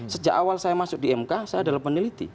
sejak awal saya masuk di mk saya adalah peneliti